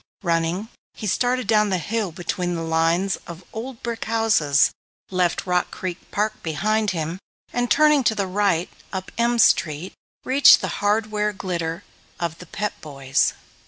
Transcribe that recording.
Running, he started down the hill between the lines of old brick houses, left Rock Creek Park behind him, and turning to the right up M Street, reached the hardware glitter of The Pep Boys'.